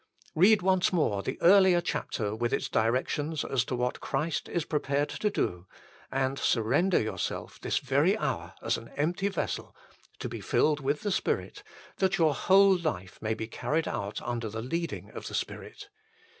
Eead once more the earlier chapter with its directions as to what Christ is prepared to do, and surrender yourself this very hour as an empty vessel to be filled with the Spirit, that your whole life may be carried out under the leading of the Spirit.